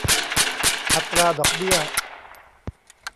อัตราดอกเบี้ย